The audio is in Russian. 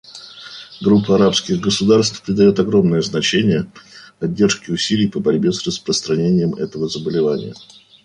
Группа арабских государств придает огромное значение поддержке усилий по борьбе с распространением этого заболевания.